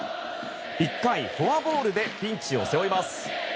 １回、フォアボールでピンチを背負います。